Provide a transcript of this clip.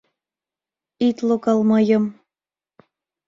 Ит логал мыйым.